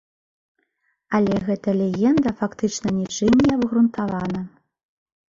Але гэта легенда фактычна нічым не абгрунтавана.